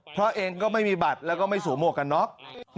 เพราะเองก็ไม่มีบัตรแล้วก็ไม่สวมหวกกันน็อก